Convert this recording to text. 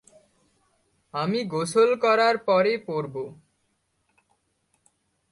আমি গোসল করার পরে পড়ব।